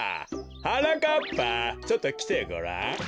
はなかっぱちょっときてごらん。